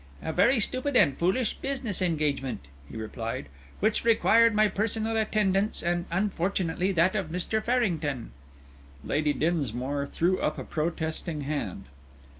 "A very stupid and foolish business engagement," he replied, "which required my personal attendance, and unfortunately that of Mr. Farrington." Lady Dinsmore threw up a protesting hand.